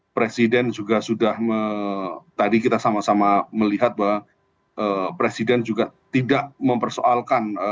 presiden juga sudah tadi kita sama sama melihat bahwa presiden juga tidak mempersoalkan